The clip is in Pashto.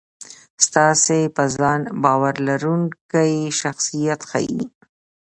ستاسې په ځان باور لرونکی شخصیت ښي.